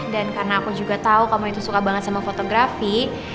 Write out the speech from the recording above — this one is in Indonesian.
dan karena aku juga tau kamu itu suka banget sama fotografi